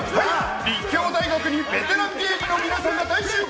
立教大学にベテラン芸人の皆さんが大集合！